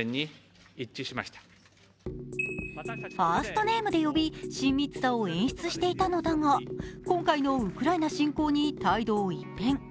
ファーストネームで呼び、親密さを演出していたのだが、今回のウクライナ侵攻に態度を一変。